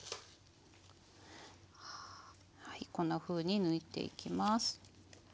こんなふうに抜いていきます。